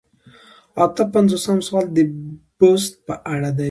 اته پنځوسم سوال د بست په اړه دی.